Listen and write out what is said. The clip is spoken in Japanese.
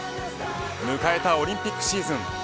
迎えたオリンピックシーズン。